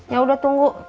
ya udah tunggu